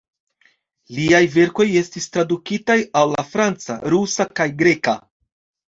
Liaj verkoj estis tradukitaj al la franca, rusa kaj greka.